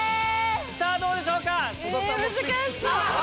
さぁどうでしょうか？